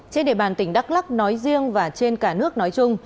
trên địa bàn tỉnh đắk lắc nói riêng và trên cả nước nói chung